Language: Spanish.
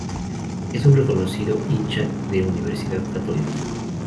Es un reconocido hincha de Universidad Católica.